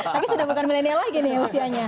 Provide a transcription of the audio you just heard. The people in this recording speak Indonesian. tapi sudah bukan milenial lagi nih usianya